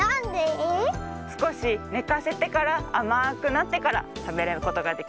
すこしねかせてからあまくなってからたべることができます。